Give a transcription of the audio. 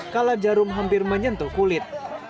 kala jarum hampir menyentuh kulit